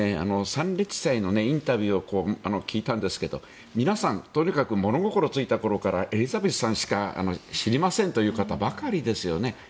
参列者のインタビューを聞いたんですけど皆さんとにかく物心ついた時からエリザベスさんしか知りませんという方ばかりですよね。